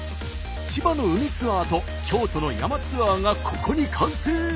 千葉の海ツアーと京都の山ツアーがここに完成！